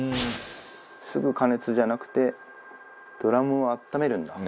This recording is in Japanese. すぐ加熱じゃなくてドラムをあっためるんだ。